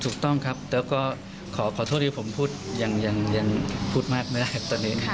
ถูกต้องครับแล้วก็ขอโทษที่ผมพูดยังพูดมากไม่ได้ตอนนี้